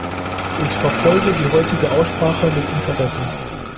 Ich verfolge die heutige Aussprache mit Interesse.